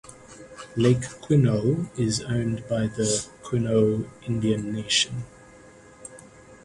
Lake Quinault is owned by the Quinault Indian Nation.